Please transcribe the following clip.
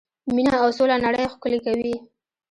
مینه او سوله نړۍ ښکلې کوي.